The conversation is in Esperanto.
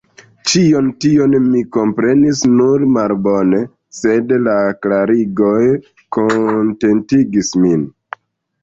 Ĉion tion mi komprenis nur malbone, sed la klarigoj kontentigis min.